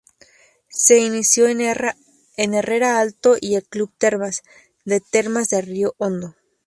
Se inició en Herrera Alto y el Club Termas, de Termas de Río Hondo.